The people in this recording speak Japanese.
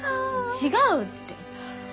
違うって。